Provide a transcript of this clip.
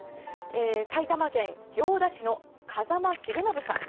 埼玉県行田市の風間重信さん。